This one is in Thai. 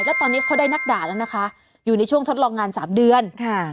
แล้วตอนนี้เขาได้นักด่าแล้วนะคะอยู่ในช่วงทดลองงานสามเดือนค่ะ